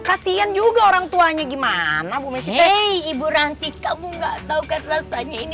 kasihan juga orang tuanya gimana bume sih ibu ranti kamu enggak taukan februari lagi mana itu